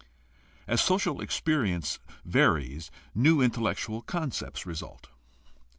As social experience varies new intellectual con cepts result.